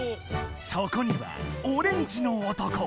そこにはオレンジの男。